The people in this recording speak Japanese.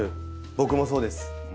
僕もそうです。